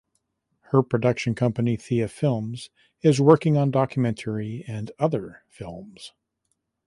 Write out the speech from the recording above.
Her production company "Thea Films" is working on documentary and other films.